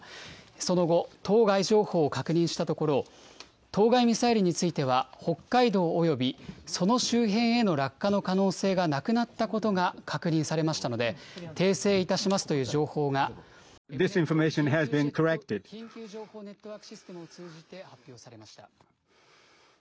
その後、当該情報を確認したところ、当該ミサイルについては、北海道およびその周辺への落下の可能性がなくなったことが確認されましたので、訂正いたしますという情報が、エムネット・緊急情報ネットワークシステムを通じて発表されました。